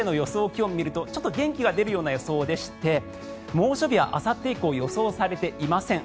気温を見ますとちょっと元気が出るような予想でして猛暑日はあさって以降予想されていません。